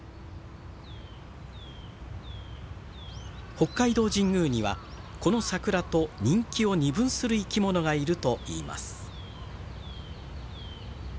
北海道神宮にはこの桜と人気を二分する生き物がいるといいます。